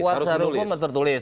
kuat secara hukum dan tertulis